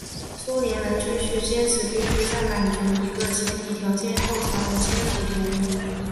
苏联人继续坚持必须在满足一个前提条件后才能签署条约。